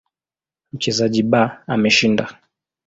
Mchezaji B ameshinda.